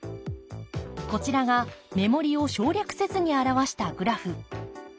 こちらが目盛りを省略せずに表したグラフ。